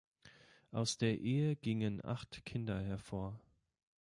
Aus der Ehe gingen acht Kinder hervor.